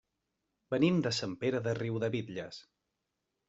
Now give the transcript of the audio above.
Venim de Sant Pere de Riudebitlles.